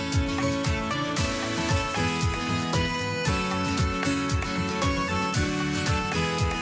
สวัสดีครับ